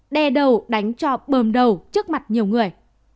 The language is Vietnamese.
đe đầu đánh cho bơm đầu trước mặt nhiều người